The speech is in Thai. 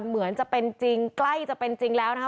เหมือนจะเป็นจริงใกล้จะเป็นจริงแล้วนะคะ